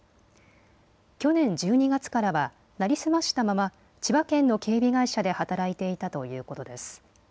去年１２月からは成り済ましたまま千葉県の警備会社で働いていたということです。